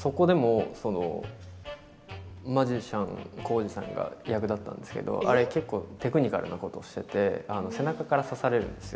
そこでも、マジシャン耕史さんが役だったんですけど、あれ結構テクニカルなことをしていて背中から刺されるんですよ。